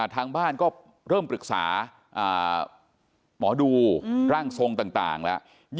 ทางบ้านก็เริ่มปรึกษาหมอดูร่างทรงต่างแล้ว